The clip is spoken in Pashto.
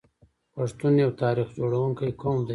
پښتون یو تاریخ جوړونکی قوم دی.